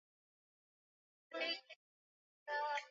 uchakataji wa viazi hupunguza uwingi usio wa lazima